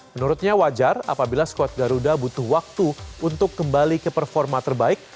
menurutnya wajar apabila skuad garuda butuh waktu untuk kembali ke performa terbaik